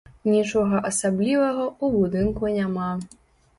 Нічога асаблівага ў будынку няма.